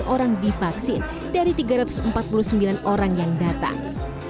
tiga ratus tiga puluh delapan orang divaksin dari tiga ratus empat puluh sembilan orang yang datang